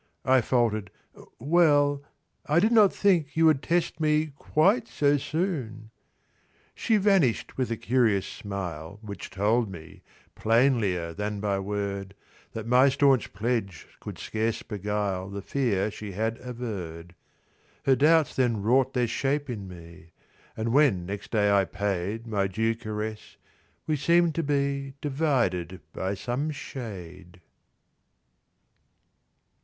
I faltered: "Well ... I did not think You would test me quite so soon!" She vanished with a curious smile, Which told me, plainlier than by word, That my staunch pledge could scarce beguile The fear she had averred. Her doubts then wrought their shape in me, And when next day I paid My due caress, we seemed to be Divided by some shade.